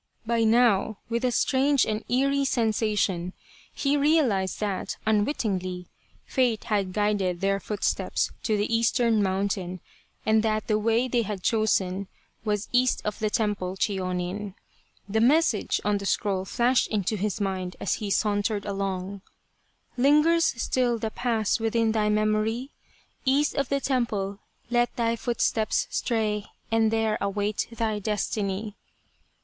But now, with a strange and eerie sensation, he realized that, unwittingly, Fate had guided their footsteps to the Eastern Mountain, and that the way they had chosen was East of the Temple Chionin. 253 A Cherry Flower Idyll The message on the scroll flashed into his mind as he sauntered along : Lingers still the past within thy memory ? East of the Temple let thy footsteps stray, And there await thy destiny